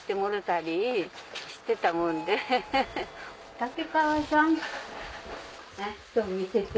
竹川さん。